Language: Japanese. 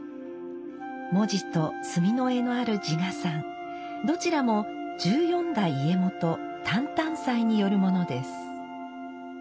文字と炭の絵のある自画賛どちらも十四代家元淡々斎によるものです。